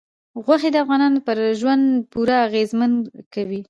غوښې د افغانانو پر ژوند پوره اغېزمن کوي.